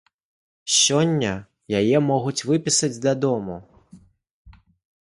Сёння яе могуць выпісаць дадому.